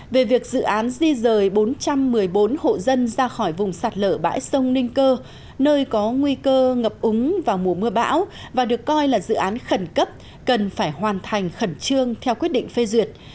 về việc dự án di rời bốn trăm một mươi bốn hộ dân ra khỏi vùng sạt lở bãi sông ninh cơ nơi có nguy cơ ngập úng vào mùa mưa bão và được coi là dự án khẩn cấp cần phải hoàn thành khẩn trương theo quyết định phê duyệt